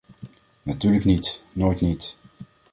Natuurlijk niet, nooit niet.